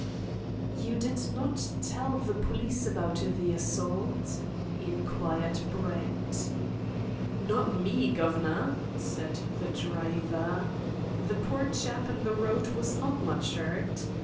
"You did not tell the police about the assault?" inquired Brett. "Not me, guv'nor," said the driver. "The poor chap in the road was not much 'urt.